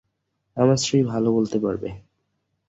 আমার স্ত্রী ভালো বলতে পারবে!